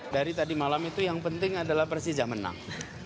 dari tadi malam itu yang penting adalah persija menang